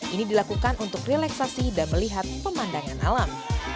ini dilakukan untuk relaksasi dan melihat pemandangan alam